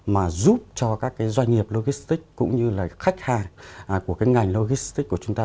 mà giúp cho các cái doanh nghiệp logistics cũng như là khách hàng của cái ngành logistics của chúng ta